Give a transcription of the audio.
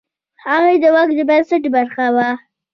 هغوی د واک د بنسټ برخه وه.